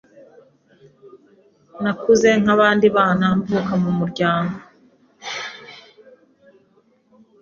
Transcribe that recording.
Nakuze nk’abandi bana mvuka mu muryango